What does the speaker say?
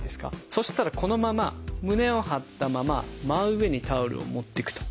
そしたらこのまま胸を張ったまま真上にタオルを持っていくと。